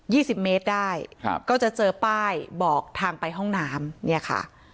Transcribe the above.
สิบเมตรได้ครับก็จะเจอป้ายบอกทางไปห้องน้ำเนี่ยค่ะ